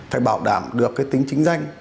phải bảo đảm được tính chính danh